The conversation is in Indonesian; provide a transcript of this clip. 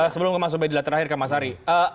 sebelum mas ubaidillah terakhir mas ari